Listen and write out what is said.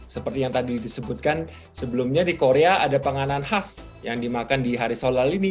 seperti yang tadi disebutkan sebelumnya di korea ada penganan khas yang dimakan di hari sholal ini